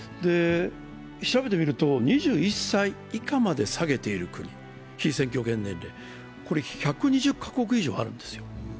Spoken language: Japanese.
調べてみると２１歳以下まで下げている、被選挙権年齢を、これ１２０カ国以上あるんですよ。